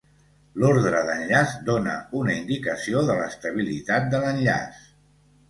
L'ordre d'enllaç dóna una indicació de l'estabilitat de l'enllaç.